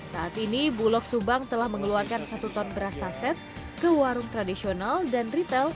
saat ini bulog subang telah mengeluarkan satu ton beras saset ke warung tradisional dan retail